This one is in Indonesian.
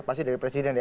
pasti dari presiden ya